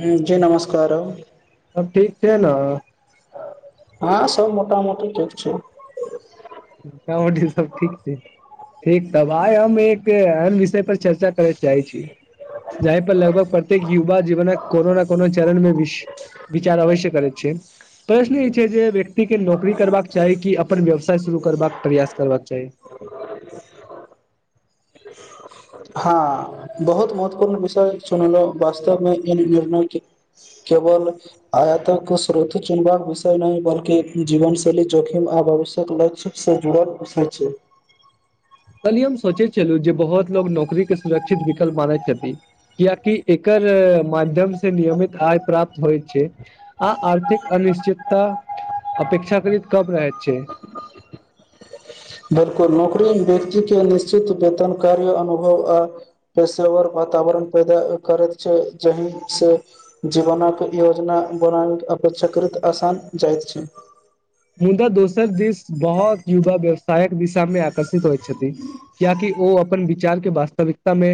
ह जी नमस्कार सब ठीक छै ने हँ सब मोटा मोटी ठीक छै सब ठीक छै ठीक तब आइ हम एक एन विषय पर चर्चा जाइ छी यही पर लगभग प्रत्येक युवा जीवनक कोनो ने कोनो चरण मे विश विचार अवश्य करै छै प्रश्न जे व्यक्ति के नौकरी करबाक चाही कि अपन व्यवसाय शुरू करबाक प्रयास करबाक चाही हँ बहुत महत्वपूर्ण विषय चुनलहुँ वास्तवमे इन योजनाके केवल आयत को स्रोत चुन्बाक विषय नहि बल्कि जीवनशैली जोखिम आ पोषक लक्ष्य से जुड़ल पक्ष छै काल्ही हम सोचे छलहुँ जे बहुत लोको नौकररीे सुरक्षित विकल्प मानैत छथिन कियकि एकर माध्यम से नियमित आय प्राप्त होइ छै आ आर्थिक निश्चितता अपेक्षाकृत कम रहत छै बिलकुल नौकरी व्यक्ति के निश्चित वेतन कार्य अनुभव आ पेशेावर व वातावरण पैदा करैत छै जहिसँ जीवनक योजना बनाब अपन चक्रत आसान जाइत छै मुदा दोसर देस बहुत युवा व्यवसायक दिशामे आकर्षित होइत छथिन कियाकि ओ अपन विचार के वास्तविकतामे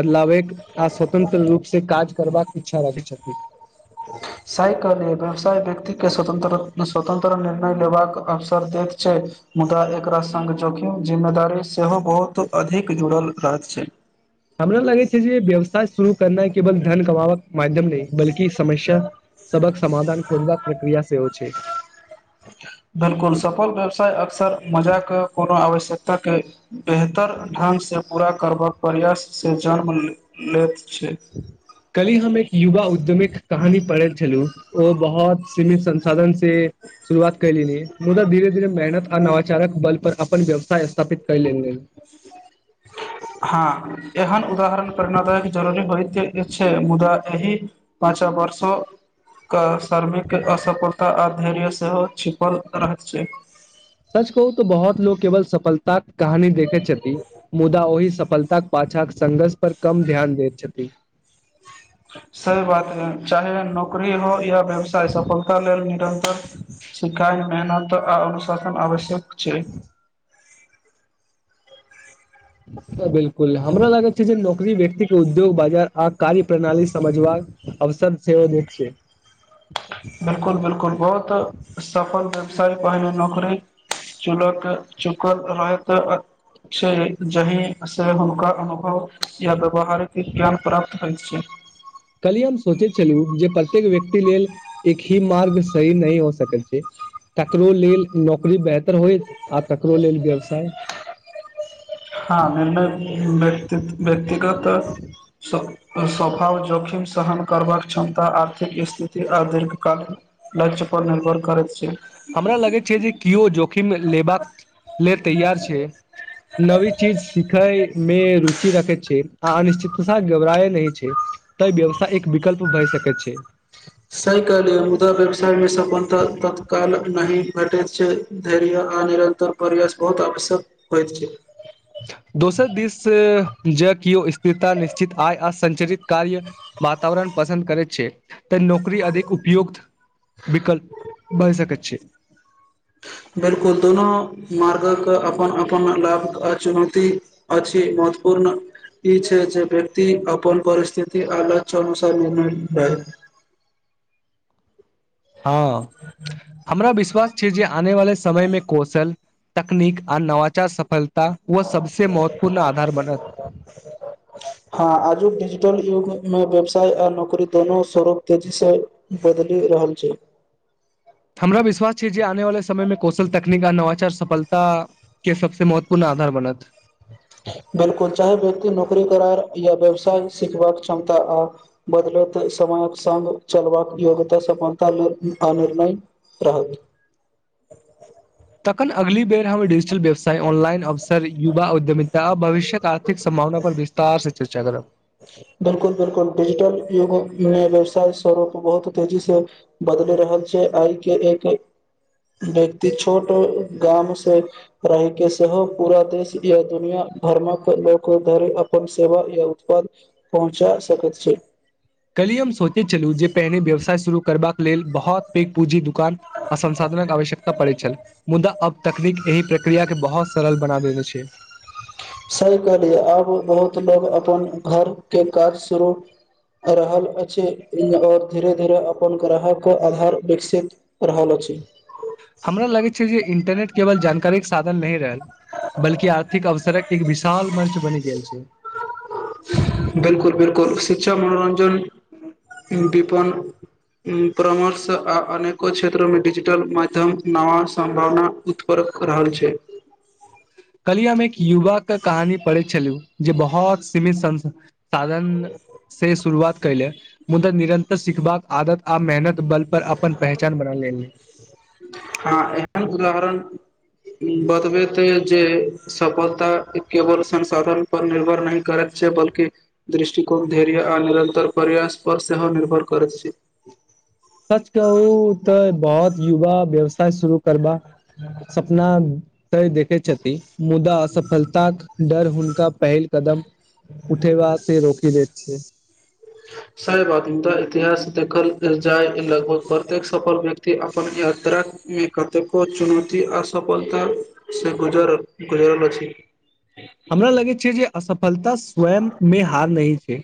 बदलावै आ स्वतंत्र रूप से काज करबाक इच्छा अच्छा राखी छथि साइकल व्यवसाय व्यक्ति के स्वतंत्र स्वतंत्र निर्णय लेबाक अवसर दैत छै मुदा एकरा संघ जोखिम जिम्मेदारी सेहो बहुत अधिक जुड़ल रहैत छै हमरा लगै छै जे व्यवसाय शुरू करनाइ केवल धन कमाबक माध्यम नहि बल्कि समस्य सवक समधान खोजबाक प्रक्रिया सेहोव छै बिलकुल सफल व्यवसाय अक्सर मजाक के कोनो आवश्यकता के बेहतर ढङ्गसँ पूरा करबाक प्रयाससँ जन्म लेत कली हम एक युवा उद्यमी कहानी पढ़ल छलहु ओ बहुत सीमित संसाधन से शुरुआत करली मुदा धीरे धीरे मेहनत अनवाचारक बल पर अपन व्यवसाय स्थापित क ल हँ एहन उदाहरण प्रेणादायक जरूरी होयइत छै मुदा एहि पाँच वर्षोके शार्मिक असफलता आओ धैर्य सेहो छिपल रह छै सच कहू त बहुत लोकोग केवल सफलताक कहानी देखैत छथि मुदा ओहि सफलता पछाँ संघर्ष पर कम ध्यान देत छथि सही बात हइ चाहे नौकरी हो या व्यवसाय सफलता लेल निरन्तर सिखाइ मेहनत आ अनुशासन आवश्यक छै [inaudible] बिलकुल हमरा लागत छै जे नौकरी व्यक्ति के उद्योग बाजार आ कार्य प्रणाली समझबाक से द छै बिलकुल बिलकुल बहुत सफल व्यवसाय पहिल नौकरी चुलक चुकत रहत छै जहि से हुनका अनुभव या व्यवहारके ज्ञान प्राप्त होइत छै कहलियए हम सोचै छलू जे प्रत्येक व्यक्ति लेल एक ही मार्ग सही नहि हो सकैत छै ककरो लेल नौकरी बेहतर होय आ ककरो लेल व्यवसाय हँ निर्णय व्त व्यक्तिगत स्वभाव जोखिम सहन करबाक क्षमता आर्थिक स्थिति आ दीर्घकाल लक्ष्य पर निर्भर करै छै हमरा लगै छै जे केओ जोखिम लेबाक लेल तैयार छै नवी चीज सिखै मे रुचि रखे छै आ अनिश्चितता घबराए नहि छै त व्यवसाय एक विकल्प भय सकत छै सहि कहलीय मुदा व्यवसायमेक ततकाल न भेटैत छै धैर्य आ निरंतर परवास बहुत आवश्यक होयत छै दोसर दिस जँ किओ स्थिरता निश्चित आय असञ्चरित काहैर्य वातावरण पसन्द करैत छै तऽ नौकरी अधिक उपयोग्त विक्लप भहि सकैत है [inaudible] बिलकुल दुनू मार्गक अपन अपन लाभ आ चुनौती अछि महत्वपूर्णब कोण ई छै जे व्यक्त अपन परिस्थिति आ लक्ष्य अनुसार निर्णय लै [inaudible] हँ हमरा विश्वास छै जे आने वाले समय मे कौशल तकनीक आ नवाचार सफल ता वह सबसे महत्वपूर्ण आधार बनत हँ आज डजिटल युगमे मे व्यवसाय आ नौकरी दुनू स्वरूप तेजीसँ बदलि रहल छै हमरा विश्वास छै जे आने वाले समय मे कौशल तकनीक आ नवाचार सफलता के सबसे महत्वपूर्ण आधार बनत बिलकुल चाहे व्यक्ति नौकरी करार या व्यवसाय सिखबाक क्षमता आ बदल समयक स चलबाक योग्यता समानता निर्णय राहल तखन अगली बेर हम डिजिटल व्यवसाय ऑनलाइन अ युवा उऔद्यमितता आ भविष्य्यक आर्थिक संभावना पर विस्तार से चर्चा करब बिलकुल बिलकुल डिजिटल युगमे व्यवसाय स्वरोप बहुत तेजी से बदल रहल छै आइ के एक व्यक्ति छोट गाम से रहैके सेहो पूरा देश या दुनिया भर्मख धरि अपन सेव य उत्पाद पहुँचा सकैत छी कली हम सोचे छलू जे पहिने व्यवसाय शुरू करबाक लेल बहुत पैघ पूँजी दु ान असंसाधनक आवश्यकता पड़ैत छल मुदा अब तकनीक एहि प्रक्रिया के बहुत सरल बना देने छै सही कहलियए अब बहुत लोग अपन घर के काज शुरू रहल अछि और धीरे धीरे अपन ग्राहके आधार विकसित रहल अछि हमरा लगै छै जे इंटरनेट केवल जानकारीके साधन नहि रहल बल्कि आर्थिक अवसरक एक विशाल मर्च बनि गेल छै बिलकुल बिलकुल शिक्षा मनोरञ्जन विपन परामर्श आ अनेको क्षेत्रमे डिजिटल माध्यम नवा सम्भावना उत्पन्क रहल छै [inaudible] कहलिय हम एक युवा के कहानी पढ़े छलिय जे बहुत सीमित सं साधन से शुरुआत कले मुदा निरन्तर सिखबाक आदत आ मेहनत बल पर अपन पहचान बना ले हँ एहन उदाहरण बतबैत ह जे सफलता केवल संसाधन पर निर्भर नहि करैत बल्कि दृष्टिकोण धैर्य आ निरतर परयास पर सेहो निर्भर कर छै सच कहू तऽ बहुत युवा व्यवस्ा शुरू करबा सपना तय देखैत छथि मुदा असफलताक डर हुनका पहिल कदम उठेबा से रोकि दैत छै सहि बात त इतिहास देखल जाय लगभग प्रत्येक सफल व्यक्ति अपन यात्रा मे कतेको चुनौती आ सफलता से गुजर गुजरल अछि हमरा लगैत छै जे असफलता स्वयं मे हार नहि छै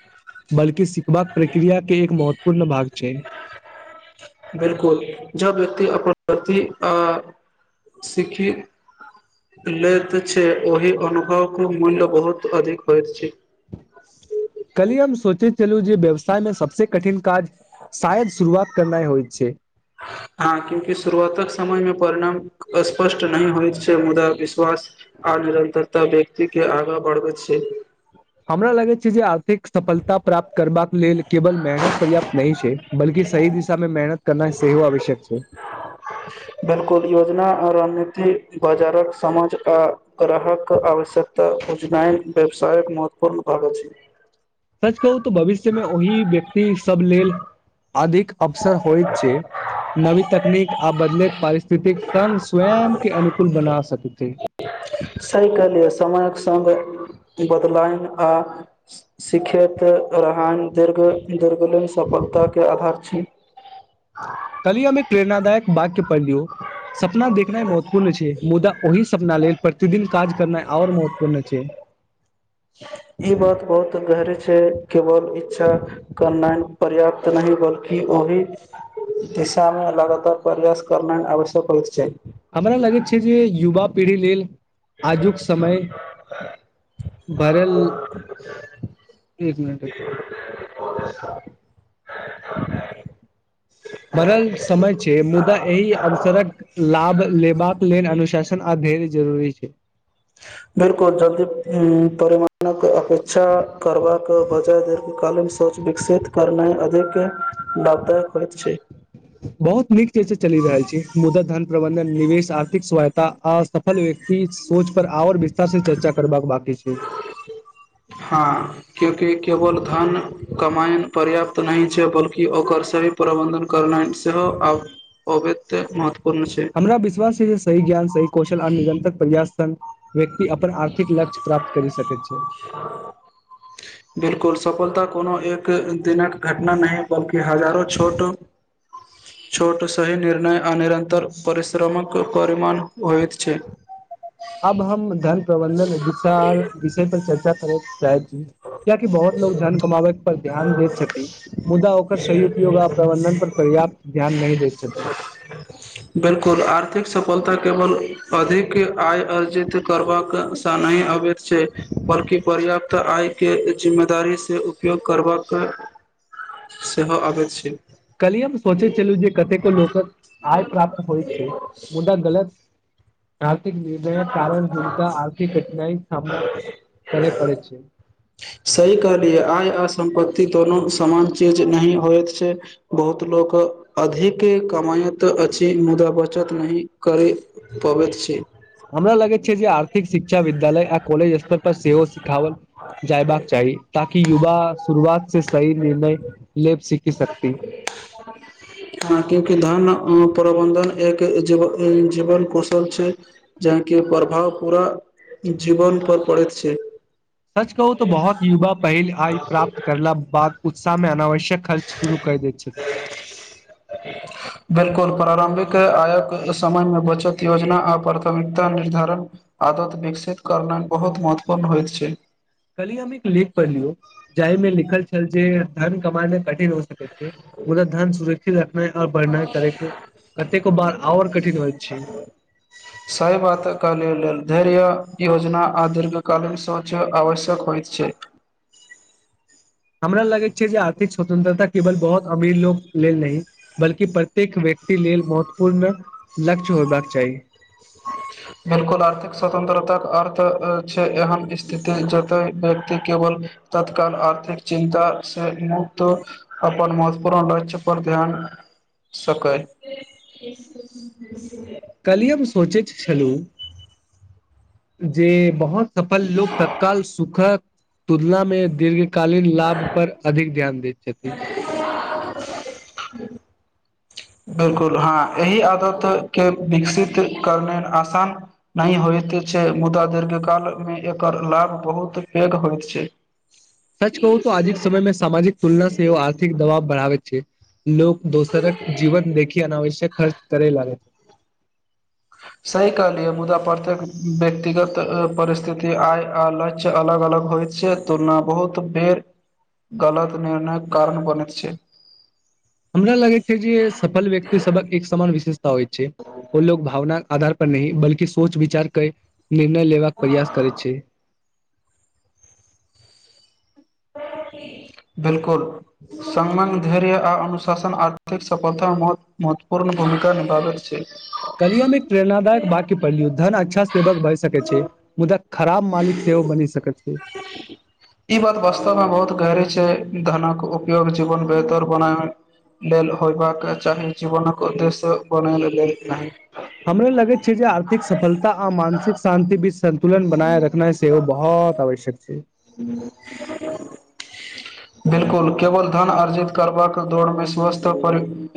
बल कि सीखबाक प्रक्रिया के एक महत्वपूर्ण भाग छै बिलकुल जब व्यक्ति अपन प्रति अ सीखी लेत छै ओहि अनुभव क मूल्य बहुत अधिक होइ छै कलिय हम सोचैत छलूं जे व्यवसाय मे सबस कठिन काज शायद शुरुआत करनाइ होइत छै हँ क्यूंकि शुरुआतक समयमे परिणाम स्पष्ट नहि होइत छै मुदा विश्वास आ निरन्तरता व्यक्ति के आगाँ बढ़बै छै हमरा लागै छै जे आर्थिक सफलता प्राप्त करबाक लेल केवल मेहनत पर्याप्त नहि छै बल्कि सही दिशा मे मेहनत करनाय सेहो आवश्यक छै [inaudible] बिलकुल योजना आ रणनीति बाजारक समाज आ ग्राहक आवश्यकता बुझनाय व्यवसायक महत्वपूर्ण भाग अछि सच कहू तऽ भविष्यमे ओहि व्यक्ति सब लेल अधिक अवसर होइ छै नवीन तकनीक आ बदलैत पारिस्थितिक संग स्वयं के अनुकूल बना सकै सही कहलियै समयक संग बदलायन आ सीखैत रहन दिर्घ दीर्घलिन सफलताके आधार छ [unintelligible] कल्हिये हम एक प्रेरणादायक वाक्य पढ़लियौ सपना देखनाइ महत्वपूर्ण छै मुदा ओहि सपना लेल प्रतिदिन काज करना आओर महत्वपूर्ण छै [unintelligible] ई बात बहुत गहरी छै केवल इच्छा करनाइ पर्याप्त नहि बल्कि ओहि दिशामे लगातार परयास करनाय आवश्यक होइत छै हमरा लगैत छै जे युवा पीढ़ी लेल आजुक समय भरल एक मिनट एक [unintelligible] बनल समय छै मुदा एहि अवसरक लाभ लेबाक लेल अनुशासन आदि पेघ जरूरी छै बिलकुल जल्दी परिमाणक अपेक्षा करबाक बदल दीर्घकालीन सोच विकसित करने अधिक लाभदायक होइत छै बहुत नीक चीज से चलि रहल छी मुदा धन प्रबंधन निवेश आर्थिक स्वाय आ असफल व्यक्ति सोच पर आओर विस्तार से चर्चा करबाक बांकी हँ क्यूकि केवल धन कमायन पर्याप्त नहि छै बल्कि ओकर सही प्रबन्धन करनानि सेहो आव हमरा विश्वास छै जे सही ज्ञान सही कौशल आर निरन्तर प्रयास संग व्यक्ति अपन आर्थिक लक्ष्य प्राप्त करि सकैत छै [unintelligible] बिलकुल सफलता कोनो एक दिनक घटना नहि बल्कि हजारों छोट छोट सही निर्णय आ निरतर परिश्रमक परिमाण होयत छै अब हम धन प्रबंधन विशाल विषय पर चर्चा करैक चाही कियाकी बहुत लोग धन कमाबै पर ध्यान देैत छथि मुदा ओकर सही उपयोग आ प्रबंधन पर पर्याप्त ध्यान ध्यान नहि दे छथिक फलता केवल अधिक आय अर्जित करबाक सँ नहि अबैत छै बल्कि पर्याप्त आय के जिम्मेदारीसँ उपयोग करबाक सेहो आबैत छै कल्ही हम सोचैत छलहु जे कतेको लोकक आय प्राप्त होइत छै मुद्दा गलत आर्थिक निर्णय कारण हुलनका आर्थिक कठिनाइ सामना करे पड़े छै सही कहलियै आय आ सम्पत्ति तोनो समान चीज नहि होइत छै बहुत लोग अधिक कमाायत अछि मुदा बचत नहि करै हमरा लगै छै जे आ शिक्षा विद्यालय आ कॉलेज स्तर पर सेहो सिखाओल जयबाक चाही ताकि युवा शुरुआत से सही निर्णय लेब सीखी सकती हँ क्यूंकि धन प्रबन्धन एक जीवन जीवन कौशल छै जेके प्रभाव पूरा जीवन पर पडैत छै सच कहू तऽ बहुत युवा पहिल आय प्राप्त करला बाद उत्साहमे अनावश्यक खाच शुरू कर द के आयक समयमे बचत योजना आ प्राथमिकता निर्धारण आदत विकसित कर बहुत महत्वपूर्ण होयत छै कल्ही हम एक लेख पढ़लियो जाहि मे लिखल छल जे धन कमाना कठिन हो सक ओ धान सुरक्षित ना आओर बढ़नाइ करै कतेको ओर कठिन होइत छै साइ बाात काल लेल धर्य योजना आ दीर्घ कालीन शौच आवश्यक होइत छै हमरा लगैत छै जे आर्थिक स्वतंत्रता केवल बहुत अमीर लोग लेल नहि बल्कि प्रत्येक व्यक्ति लेल महत्वपूर्ण लक्ष्य होयबाक चाही बिल्कुल आर्थिक स्वतंत्रता अर्थ त छै एहन स्थिति जतय व्यक्ति केवल तत्काल आर्थिक चिन्ता मुक्त अपन महत्वपूर्ण लक्ष्य पर ध्यान सकर काल्हि हम सोचैत छलहु जे बहुत सफल लोक तत्काल सुखक तुलना मे दीर्घ कालीन लाभ पर अधिक ध्यान देय छथि बिलकुल हँ एहि आदत के विकसित करने आसान नहि होइत छै मुदा दीर्घ कालमे एकर लाभ बहुत पैघ होइत छै सच कहूऽ आजिक समय मे सामजिक तुलना सेहो आर्थिक दबाव बढ़ाव छै लोक दोसरक जीवन देखी अनावश्यक कार्च करे लागे छै सही कहलियै मुदा प्रत्येक व्यक्तिगत परिस्थिति आय आ लक्ष्य अलग अलग होइ छै तुलना बहुत बेर गलत निर्णयक कारण बनैत छै हमरा लगै छै जे सफल व्यक्ति सबक एक समान विशेषता होइ छै उ लोग भावनाके आधार नहि बल्कि सोच विचार के निर्णय लेबाक प्रयास करै छै बिलकुल सम्मान धैर्य आ अनुशासन आर्थिक सफलतता म महत्वपूर्ण भूमिका निभावै छै काल्हि एक प्रेरणादायक वाक्य पढ़लिय धन अच्छा सेवक भए सकै छै मुदा खराब मालिक सेहो बनी सक छै जे धनक उपयोग जीवन बेहतर बनाय लेल होयबाक चाही जीवनक उद्देश्य बन लेल नहि हमरा लगे छै जे आर्थिक सफलता आ मानसिक शान्ति बीच सन्तुलन बनाय रखना सेहो बहुत आवश्यक छै बिल्कुल केवल धन अर्जित करबाक दौड़मे स्वस्थ परि पर